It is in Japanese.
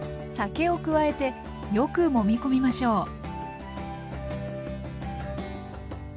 酒を加えてよくもみ込みましょう。